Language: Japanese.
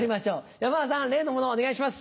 山田さん例のものをお願いします。